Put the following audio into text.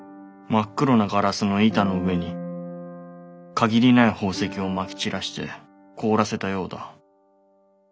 真っ黒なガラスの板の上に限りない宝石をまき散らして凍らせたようだ。